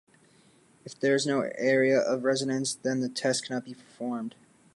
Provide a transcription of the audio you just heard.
If there is no area of resonance, then the test cannot be performed.